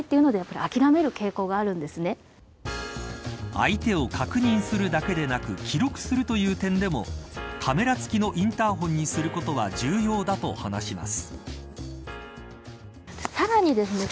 相手を確認するだけでなく記録するという点でもカメラ付きのインターホンにすることは重要だと話します。